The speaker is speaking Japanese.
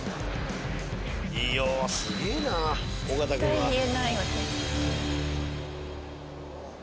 絶対言えない私。